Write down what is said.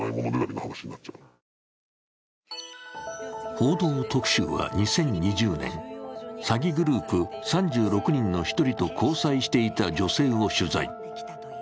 「報道特集」は２０２０年詐欺グループ３６人の一人と交際していた女性を取材。